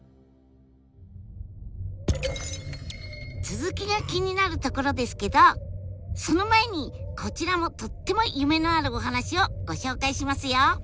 続きが気になるところですけどその前にこちらもとっても夢のあるお話をご紹介しますよ。